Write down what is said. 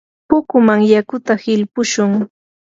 pukuman yakuta hilpushun.